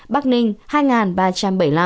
bắc ninh hai ba trăm bảy mươi năm